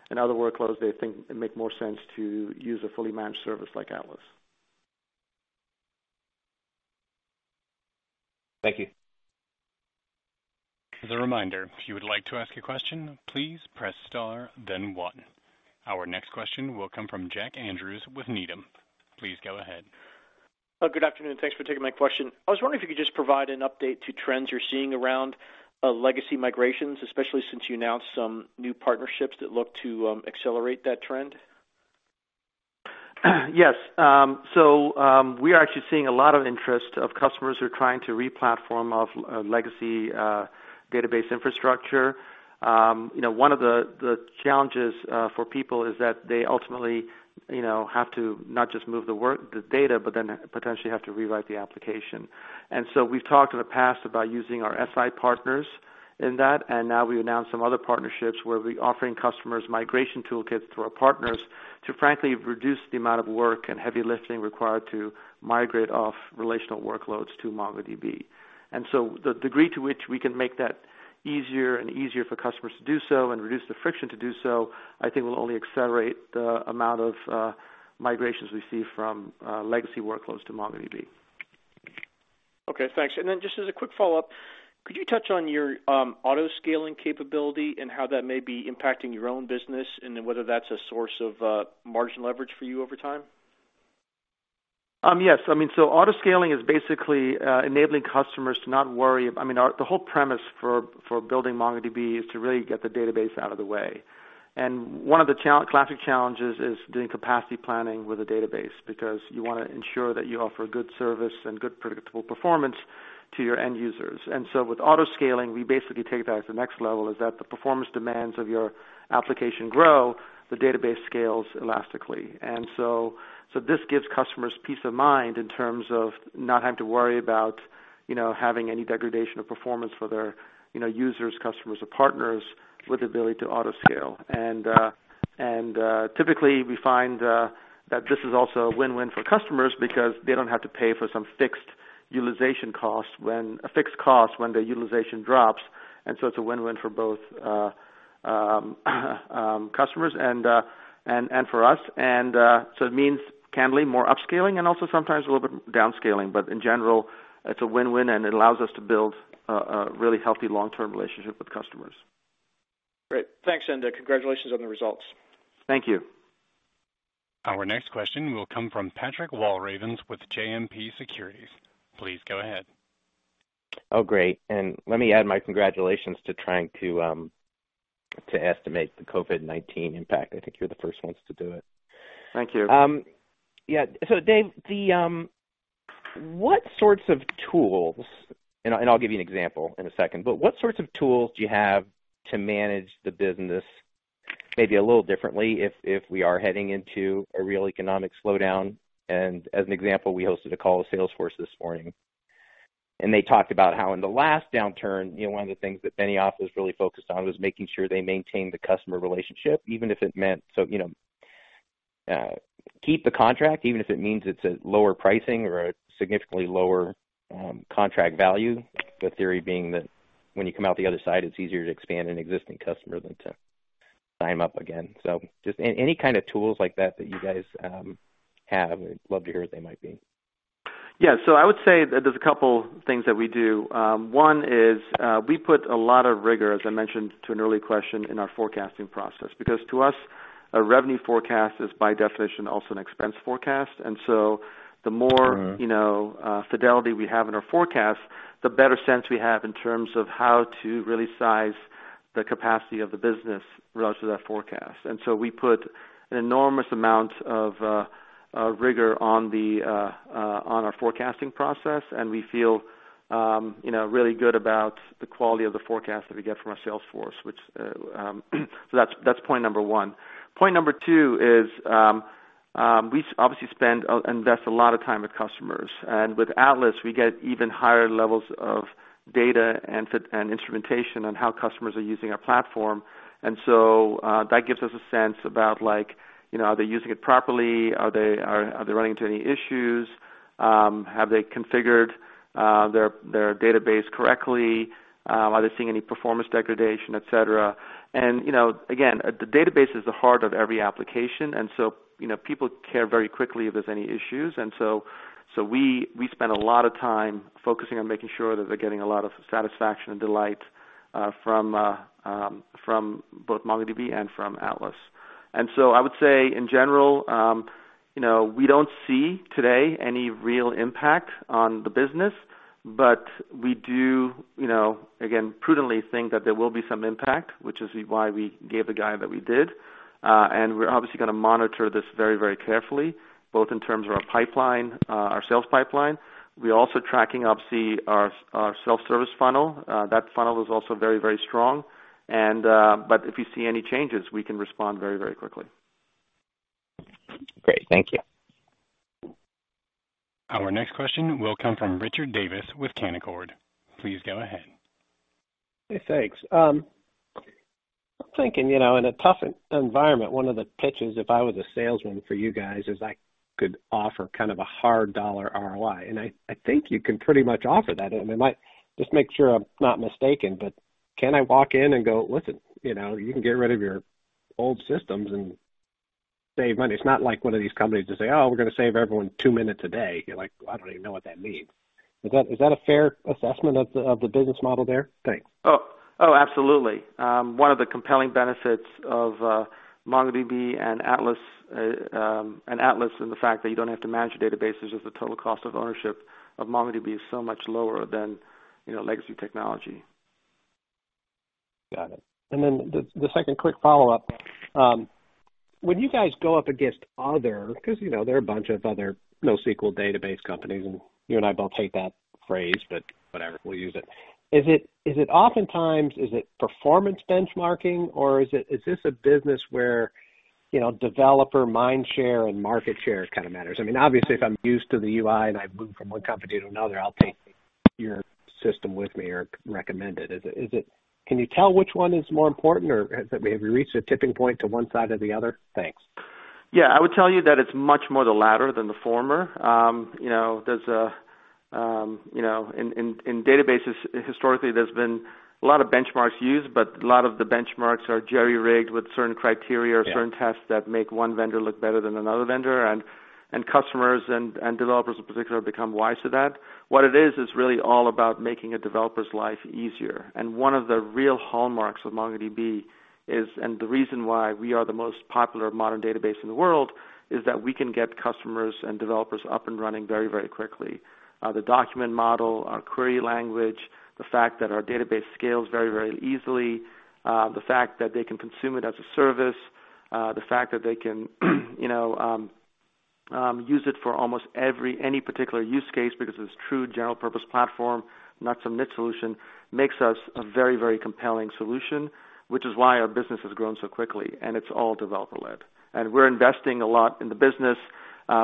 Speaker 3: and other workloads they think make more sense to use a fully managed service like Atlas.
Speaker 10: Thank you.
Speaker 1: As a reminder, if you would like to ask a question, please press star, then one. Our next question will come from Jack Andrews with Needham. Please go ahead.
Speaker 11: Good afternoon. Thanks for taking my question. I was wondering if you could just provide an update to trends you're seeing around legacy migrations, especially since you announced some new partnerships that look to accelerate that trend.
Speaker 3: Yes. We are actually seeing a lot of interest of customers who are trying to re-platform off legacy database infrastructure. One of the challenges for people is that they ultimately have to not just move the data, but then potentially have to rewrite the application. We've talked in the past about using our SI partners in that, and now we've announced some other partnerships where we're offering customers migration toolkits through our partners to frankly reduce the amount of work and heavy lifting required to migrate off relational workloads to MongoDB. The degree to which we can make that easier and easier for customers to do so and reduce the friction to do so, I think will only accelerate the amount of migrations we see from legacy workloads to MongoDB.
Speaker 11: Okay, thanks. Just as a quick follow-up, could you touch on your auto-scaling capability and how that may be impacting your own business, whether that's a source of margin leverage for you over time?
Speaker 3: Yes. Auto-scaling is basically enabling customers to not worry. The whole premise for building MongoDB is to really get the database out of the way. One of the classic challenges is doing capacity planning with a database, because you want to ensure that you offer good service and good predictable performance to your end users. With auto-scaling, we basically take that to the next level, as that the performance demands of your application grow, the database scales elastically. This gives customers peace of mind in terms of not having to worry about having any degradation of performance for their users, customers, or partners with the ability to auto-scale. Typically, we find that this is also a win-win for customers because they don't have to pay for some fixed cost when their utilization drops. It's a win-win for both customers and for us. It means, candidly, more upscaling and also sometimes a little bit downscaling. In general, it's a win-win, and it allows us to build a really healthy long-term relationship with customers.
Speaker 11: Great. Thanks, and congratulations on the results.
Speaker 3: Thank you.
Speaker 1: Our next question will come from Patrick Walravens with JMP Securities. Please go ahead.
Speaker 12: Oh, great. Let me add my congratulations to trying to estimate the COVID-19 impact. I think you're the first ones to do it.
Speaker 3: Thank you.
Speaker 12: Yeah. Dev, what sorts of tools, and I'll give you an example in a second, but what sorts of tools do you have to manage the business maybe a little differently if we are heading into a real economic slowdown? As an example, we hosted a call with Salesforce this morning, and they talked about how in the last downturn, one of the things that Benioff was really focused on was making sure they maintained the customer relationship, keep the contract, even if it means it's a lower pricing or a significantly lower contract value. The theory being that when you come out the other side, it's easier to expand an existing customer than to sign them up again. Just any kind of tools like that you guys have, I'd love to hear what they might be.
Speaker 3: Yeah. I would say that there's a couple things that we do. One is, we put a lot of rigor, as I mentioned to an early question, in our forecasting process, because to us, a revenue forecast is by definition also an expense forecast. Fidelity we have in our forecast, the better sense we have in terms of how to really size the capacity of the business relative to that forecast. We put an enormous amount of rigor on our forecasting process, and we feel really good about the quality of the forecast that we get from our sales force. That's point number one. Point number two is, we obviously invest a lot of time with customers. With Atlas, we get even higher levels of data and instrumentation on how customers are using our platform. That gives us a sense about, are they using it properly? Are they running into any issues? Have they configured their database correctly? Are they seeing any performance degradation, et cetera? Again, the database is the heart of every application, and so people care very quickly if there's any issues. We spend a lot of time focusing on making sure that they're getting a lot of satisfaction and delight from both MongoDB and from Atlas. I would say, in general, we don't see today any real impact on the business, but we do, again, prudently think that there will be some impact, which is why we gave the guide that we did. We're obviously going to monitor this very carefully, both in terms of our sales pipeline. We're also tracking up our self-service funnel. That funnel is also very strong. If we see any changes, we can respond very quickly.
Speaker 12: Great. Thank you.
Speaker 1: Our next question will come from Richard Davis with Canaccord. Please go ahead.
Speaker 13: Hey, thanks. I'm thinking, in a tough environment, one of the pitches, if I was a salesman for you guys, is I could offer kind of a hard dollar ROI, and I think you can pretty much offer that. Just make sure I'm not mistaken, can I walk in and go, "Listen, you can get rid of your old systems and save money." It's not like one of these companies that say, "Oh, we're going to save everyone two minutes a day." You're like, "I don't even know what that means." Is that a fair assessment of the business model there? Thanks.
Speaker 3: Oh, absolutely. One of the compelling benefits of MongoDB and Atlas is the fact that you don't have to manage your databases, as the total cost of ownership of MongoDB is so much lower than legacy technology.
Speaker 13: Got it. The second quick follow-up. When you guys go up against others, because there are a bunch of other NoSQL database companies, and you and I both hate that phrase, but whatever, we'll use it. Is it oftentimes performance benchmarking, or is this a business where developer mind share and market share kind of matters? Obviously if I'm used to the UI and I move from one company to another, I'll take your system with me or recommend it. Can you tell which one is more important, or have we reached a tipping point to one side or the other? Thanks.
Speaker 3: Yeah. I would tell you that it's much more the latter than the former. In databases, historically, there's been a lot of benchmarks used, but a lot of the benchmarks are jerry-rigged with certain criteria or certain tests that make one vendor look better than another vendor And customers and developers in particular have become wise to that. What it is really all about making a developer's life easier. One of the real hallmarks of MongoDB is, and the reason why we are the most popular modern database in the world, is that we can get customers and developers up and running very quickly. The document model, our query language, the fact that our database scales very easily, the fact that they can consume it as a service, the fact that they can use it for almost any particular use case because it's true general-purpose platform, not some niche solution, makes us a very compelling solution, which is why our business has grown so quickly, and it's all developer led. We're investing a lot in the business.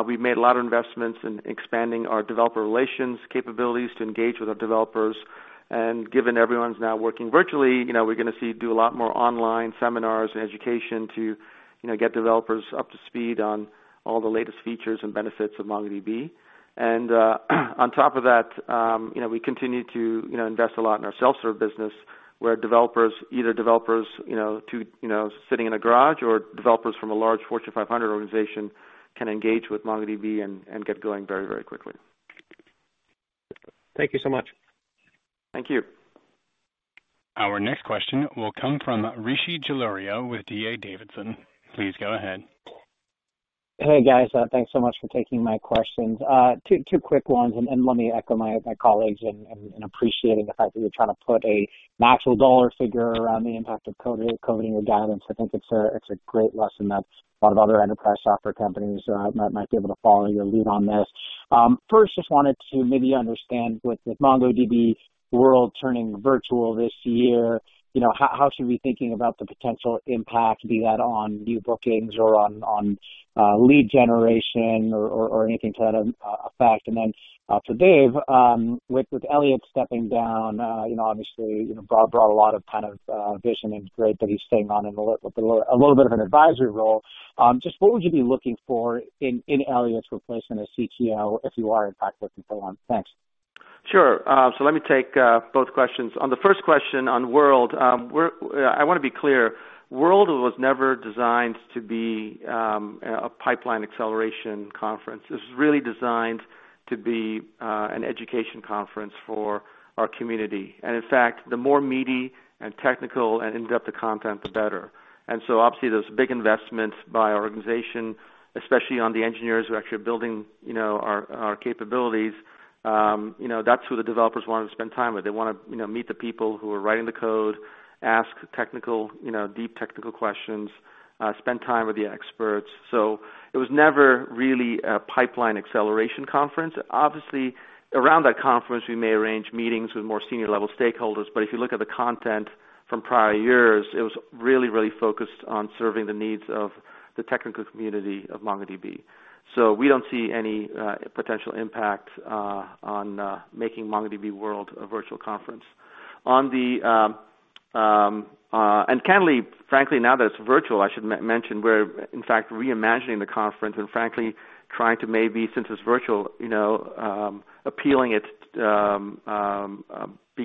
Speaker 3: We've made a lot of investments in expanding our developer relations capabilities to engage with our developers. Given everyone's now working virtually, we're going to see do a lot more online seminars and education to get developers up to speed on all the latest features and benefits of MongoDB. On top of that, we continue to invest a lot in our self-serve business, where either developers sitting in a garage or developers from a large Fortune 500 organization can engage with MongoDB and get going very quickly.
Speaker 13: Thank you so much.
Speaker 3: Thank you.
Speaker 1: Our next question will come from Rishi Jaluria with D.A. Davidson. Please go ahead.
Speaker 14: Hey, guys. Thanks so much for taking my questions. Two quick ones. Let me echo my colleagues in appreciating the fact that you're trying to put an actual dollar figure around the impact of COVID guidance. I think it's a great lesson that a lot of other enterprise software companies might be able to follow your lead on this. First, just wanted to maybe understand with MongoDB World turning virtual this year, how should we be thinking about the potential impact, be that on new bookings or on lead generation or anything to that effect? Then for Dev, with Eliot stepping down, obviously, brought a lot of vision and great that he's staying on in a little bit of an advisory role. Just what would you be looking for in Eliot's replacement as CTO, if you are in fact looking for one? Thanks.
Speaker 3: Sure. Let me take both questions. On the first question on World, I want to be clear, World was never designed to be a pipeline acceleration conference. It was really designed to be an education conference for our community. In fact, the more meaty and technical and in-depth the content, the better. Obviously, there's big investments by our organization, especially on the engineers who are actually building our capabilities. That's who the developers want to spend time with. They want to meet the people who are writing the code, ask deep technical questions, spend time with the experts. It was never really a pipeline acceleration conference. Obviously, around that conference, we may arrange meetings with more senior-level stakeholders, but if you look at the content from prior years, it was really focused on serving the needs of the technical community of MongoDB. We don't see any potential impact on making MongoDB World a virtual conference. Candidly, frankly, now that it's virtual, I should mention we're, in fact, reimagining the conference and frankly, trying to maybe, since it's virtual, appealing it, being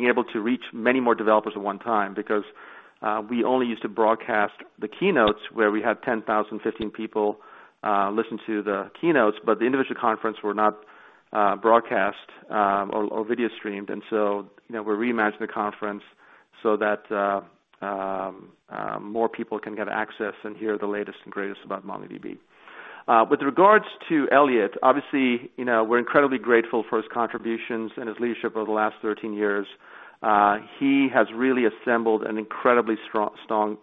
Speaker 3: able to reach many more developers at one time, because we only used to broadcast the keynotes where we had 10,000, 15,000 people listen to the keynotes, but the individual conference were not broadcast or video streamed. We're reimagining the conference so that more people can get access and hear the latest and greatest about MongoDB. With regards to Eliot, obviously, we're incredibly grateful for his contributions and his leadership over the last 13 years. He has really assembled an incredibly strong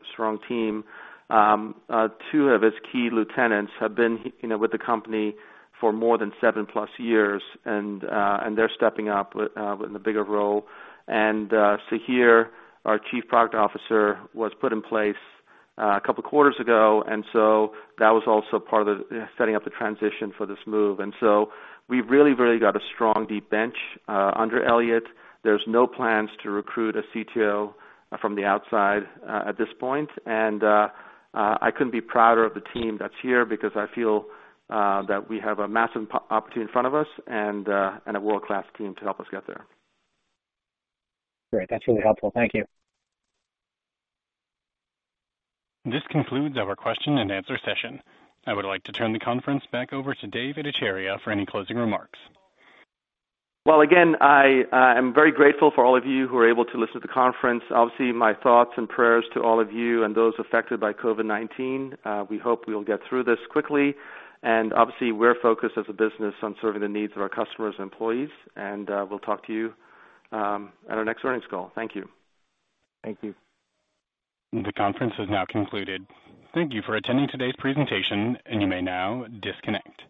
Speaker 3: team. Two of his key lieutenants have been with the company for more than seven-plus years, and they're stepping up in the bigger role. Sahir, our chief product officer, was put in place a couple of quarters ago, and so that was also part of setting up the transition for this move. We've really got a strong, deep bench under Eliot. There's no plans to recruit a CTO from the outside at this point. I couldn't be prouder of the team that's here because I feel that we have a massive opportunity in front of us and a world-class team to help us get there.
Speaker 14: Great. That's really helpful. Thank you.
Speaker 1: This concludes our question and answer session. I would like to turn the conference back over to Dev Ittycheria for any closing remarks.
Speaker 3: Well, again, I am very grateful for all of you who are able to listen to the conference. Obviously, my thoughts and prayers to all of you and those affected by COVID-19. We hope we'll get through this quickly. Obviously, we're focused as a business on serving the needs of our customers and employees. We'll talk to you at our next earnings call. Thank you.
Speaker 14: Thank you.
Speaker 1: The conference is now concluded. Thank you for attending today's presentation, and you may now disconnect.